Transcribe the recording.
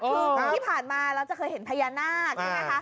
คือที่ผ่านมาเราจะเคยเห็นพญานาคใช่ไหมคะ